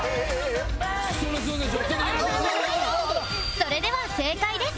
それでは正解です